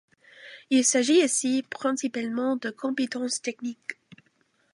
Il s'agit ici, principalement, de compétences techniques.